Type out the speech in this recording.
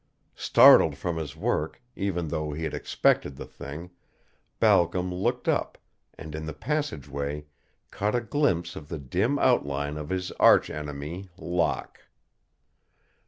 Startled from his work, even though he had expected the thing, Balcom looked up, and in the passageway caught a glimpse of the dim outline of his arch enemy, Locke.